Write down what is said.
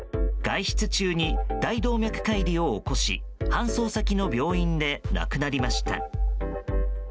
外出中に大動脈解離を起こし搬送先の病院で亡くなりました。